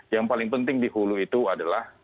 yang paling penting di hulu itu adalah